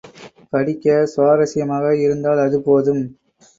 படிக்க சுவரஸ்யமாக இருந்தால் அது போதும்.